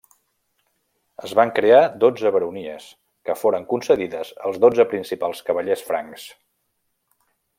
Es van crear dotze baronies que foren concedides als dotze principals cavallers francs.